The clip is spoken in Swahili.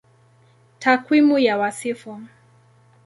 Takwimu ya Wasifu